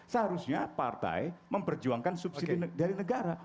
seharusnya partai memperjuangkan subsidi dari negara